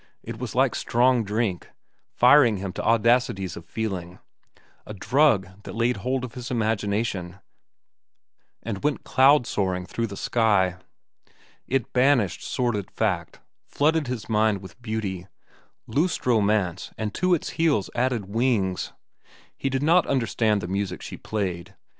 It was like strong drink, firing him to audacities of feeling,—a drug that laid hold of his imagination and went cloud soaring through the sky. It banished sordid fact, flooded his mind with beauty, loosed romance and to its heels added wings. He did not understand the music she played.